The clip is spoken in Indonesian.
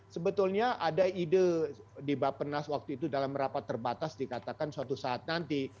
sebetulnya ada ide di bapenas waktu itu dalam rapat terbatas dikatakan suatu saat nanti